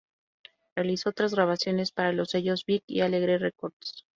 Realizó otras grabaciones para los sellos Vik y Alegre Records.